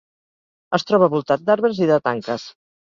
Es troba voltat d'arbres i de tanques.